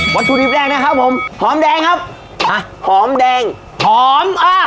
ถุดิบแดงนะครับผมหอมแดงครับอ่ะหอมแดงหอมอ่า